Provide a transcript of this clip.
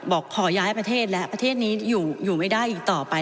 บอกขอย้ายประเทศแล้วประเทศนี้อยู่ไม่ได้อีกต่อไป